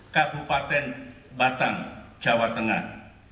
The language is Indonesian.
kabupaten batang jawa tengah